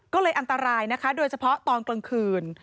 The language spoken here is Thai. ก็เลยอันตรายนะคะโดยเฉพาะตอนกลางคืน